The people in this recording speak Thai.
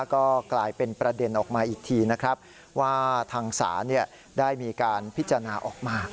ก็กลายเป็นประเด็นออกมาอีกทีนะครับว่าทางศาลได้มีการพิจารณาออกมา